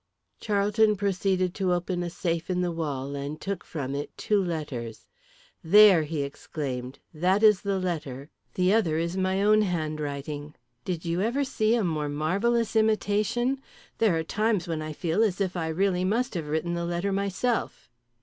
Charlton proceeded to open a safe in the wall and took from it two letters. "There," he exclaimed. "That is the letter, the other sheet is my own handwriting. Did you ever see a more marvellous imitation? There are times when I feel as if I really must have written the letter myself.